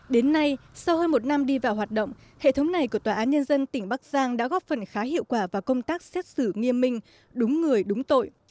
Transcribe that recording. đến nay sau hơn một năm đi vào hoạt động hệ thống này của tòa án nhân dân tỉnh bắc giang đã góp phần khá hiệu quả vào công tác xét xử nghiêm minh đúng người đúng tội